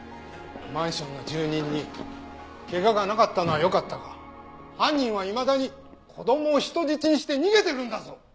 マンションの住人に怪我がなかったのはよかったが犯人はいまだに子供を人質にして逃げてるんだぞ！